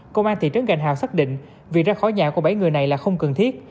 công an thị trấn gành hào xác định việc ra khỏi nhà của bảy người này là không cần thiết